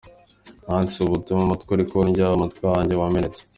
Nanditse ubu butumwa umutwe uri kundya, umutima wanjye wamenetse.